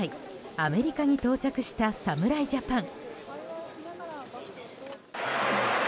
アメリカに到着した侍ジャパン。